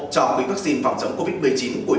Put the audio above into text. cho quý vắc xin phòng chống covid một mươi chín của